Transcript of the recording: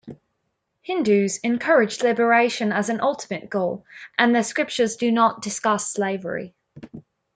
Hindus encourage liberation as an ultimate goal, and their scriptures do not discuss slavery.